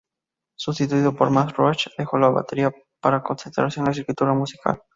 Sustituido por Max Roach, deja la batería para concentrarse en la escritura musical.